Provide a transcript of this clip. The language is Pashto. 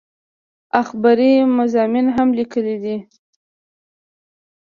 اخباري مضامين هم ليکلي دي